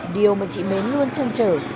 điều mà chị mến luôn chăm chở